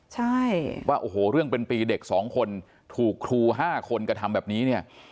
ใช่ว่าโอ้โหเรื่องเป็นปีเด็กสองคนถูกครู๕คนกระทำแบบนี้เนี่ย